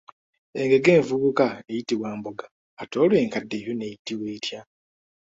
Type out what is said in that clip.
Engege envubuka eyitibwa mbogga, ate olwo enkadde yo n'eyitibwa etya?